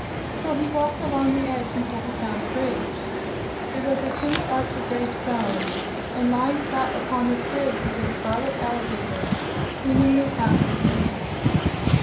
So he walked along the edge until he found the bridge. It was a single arch of gray stone, and lying flat upon the bridge was a scarlet alligator, seemingly fast asleep.